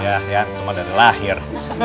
iya ya cuma dari lahir